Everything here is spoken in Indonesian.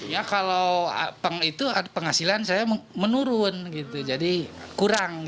ya kalau penghasilan saya menurun jadi kurang